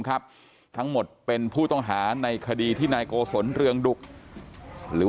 ครับทั้งหมดเป็นผู้ต้องหาในคดีที่นายโกศลเรืองดุกหรือ